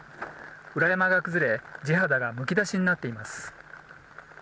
裏山が崩れ地肌がむき出しになっています。